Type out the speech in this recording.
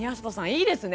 いいですね。